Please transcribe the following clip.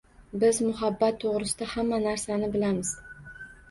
Biz muhabbat to‘g‘risida hamma narsani bilamiz